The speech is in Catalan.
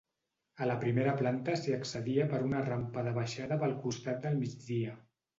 A la primera planta s'hi accedia per una rampa de baixada pel costat del migdia.